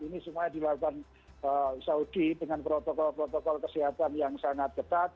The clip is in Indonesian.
ini semuanya dilakukan saudi dengan protokol protokol kesehatan yang sangat ketat